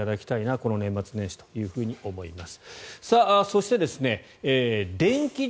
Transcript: この年末年始と思います。